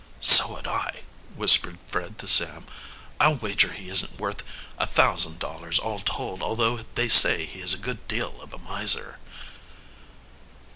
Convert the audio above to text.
"So would I," whispered Fred to Sam. "I'll wager he isn't worth a thousand dollars all told although they say he is a good deal of a miser."